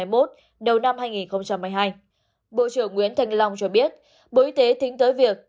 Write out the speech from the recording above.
bộ trưởng nguyễn thành long cho biết bộ y tế tính tới việc